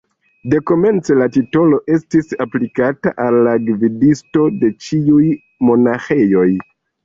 Dekomence la titolo estis aplikata al la gvidisto de ĉiuj monaĥejoj.